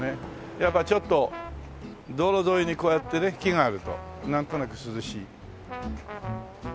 やっぱちょっと道路沿いにこうやって木があるとなんとなく涼しい。